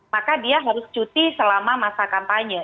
maka dia harus cuti selama masa kampanye